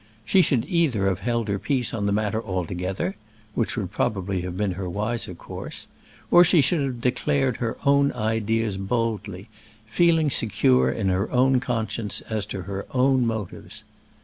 She should either have held her peace on the matter altogether, which would probably have been her wiser course, or she should have declared her own ideas boldly, feeling secure in her own conscience as to her own motives.